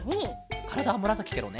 からだはむらさきケロね。